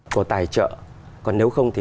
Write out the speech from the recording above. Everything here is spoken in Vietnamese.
của tài trợ còn nếu không thì